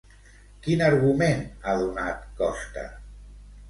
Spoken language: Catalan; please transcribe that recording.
Quin argument ha donat Costa?